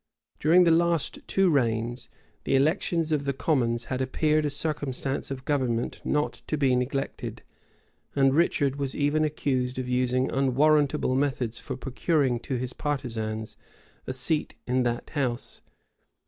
During the two last reigns, the elections of the commons had appeared a circumstance of government not to be neglected; and Richard was even accused of using unwarrantable methods for procuring to his partisans a seat in that house.